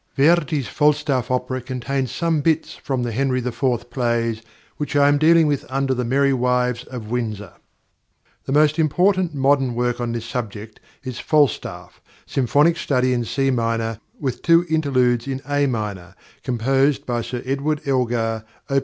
Verdi's Falstaff opera contains some bits from the Henry IV. plays which I am dealing with under The Merry Wives of Windsor. The most important modern work on this subject is "Falstaff, symphonic study in C minor, with two interludes in A minor, composed by +Sir Edward Elgar+, Op.